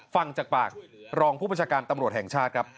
ฟังจากปากรองผู้ประชาการตำรวจแห่งชาติครับ